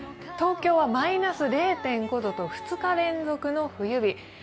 東京はマイナス０．５度と２日連続の冬日。